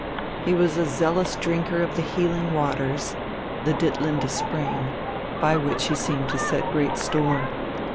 He was a zealous drinker of the healing waters, the Ditlinde Spring, by which he seemed to set great store.